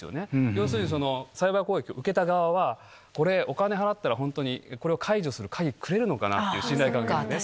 要するにサイバー攻撃を受けた側は、これ、お金払ったら、本当にこれを解除する鍵くれるのかなっていう信頼関係がね。